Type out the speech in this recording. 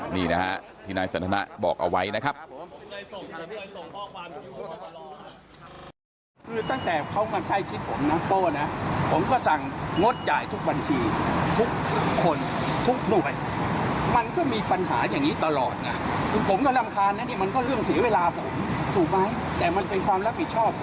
นี่นะฮะที่นายสันทนะบอกเอาไว้นะครับ